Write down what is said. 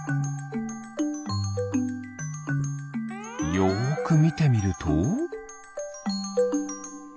よくみてみると。